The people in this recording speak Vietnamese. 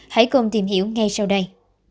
hãy cùng tìm hiểu ngay sau đây